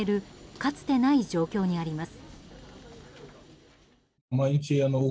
かつてない状況にあります。